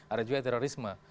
ada juga terorisme